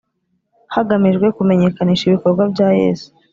hagamijwe kumenyekanisha ibikorwa bya Yesu